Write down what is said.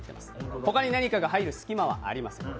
他に何かが入る隙間はありません。